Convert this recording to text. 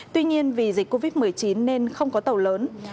tuy nhiên vì dịch covid một mươi chín nên không có tàu lớn